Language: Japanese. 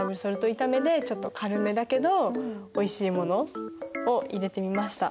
いためでちょっと軽めだけどおいしいものを入れてみました。